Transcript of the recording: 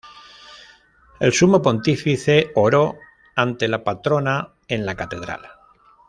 El sumo pontífice oró ante la patrona en la catedral.